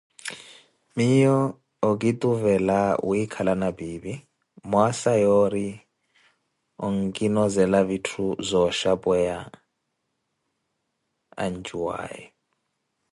Miiyo okituvela wikhalana piipi, mwaasa yoori onkinozela vitthu zooxhi ancuwaye.